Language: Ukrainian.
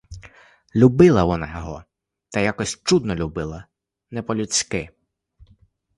Любила вона його, та якось чудно любила, не по-людськи.